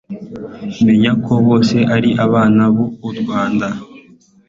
menya ko bose ari abana b'u rwanda